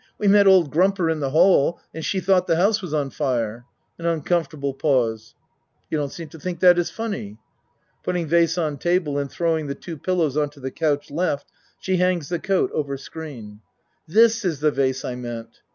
We met old Grumper in the hall and she tho't the house was on fire. (An uncomfortable pause.) You don't seem to think that is funny. (Putting vase on table and throwing the two pillows onto the couch L. she hangs the coat over screen.) This is the vase I meant.